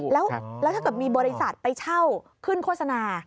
แล้วถ้าเกิดมีบริษัทไปเช่าขึ้นโฆษณา